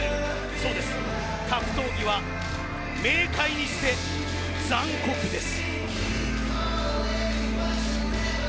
そうです、格闘技は明快にして残酷です。